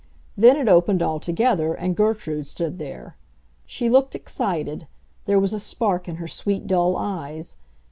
Then it opened altogether and Gertrude stood there. She looked excited; there was a spark in her sweet, dull eyes.